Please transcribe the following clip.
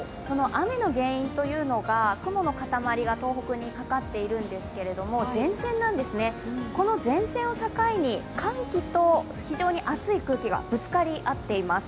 雨の原因が雲のかたまりが東北にかかっているんですが、前線なんですね、この前線を境に寒気と非常に熱い空気がぶつかり合っています。